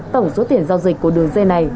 tổng số tiền giao dịch của đường dây này